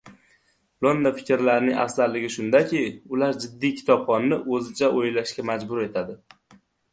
Lo‘nda fikrlarning afzalligi shundaki, ular jiddiy kitobxonni o‘zicha o‘ylashga majbur etadi.